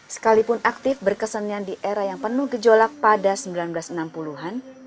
sekalipun aktif berkesenian di era yang penuh gejolak pada seribu sembilan ratus enam puluh an